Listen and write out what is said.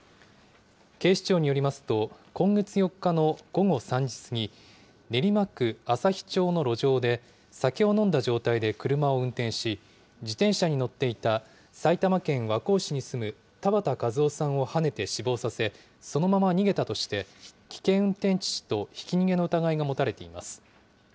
警視庁によりますと、今月４日の午後３時過ぎ、練馬区旭町の路上で、酒を飲んだ状態で車を運転し、自転車に乗っていた埼玉県和光市に住む田畑和雄さんをはねて死亡させ、そのまま逃げたとして、危険運転致死とひき逃げの疑いが持たれています。